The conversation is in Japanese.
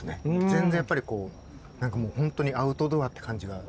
全然やっぱりこう何かもうほんとにアウトドアって感じが。